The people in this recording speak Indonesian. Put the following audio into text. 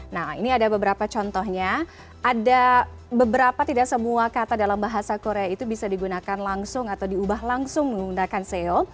nah ini ada beberapa contohnya ada beberapa tidak semua kata dalam bahasa korea itu bisa digunakan langsung atau diubah langsung menggunakan ceo